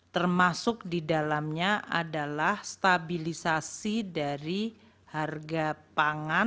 termasuk di dalamnya adalah stabilisasi dari harga pangan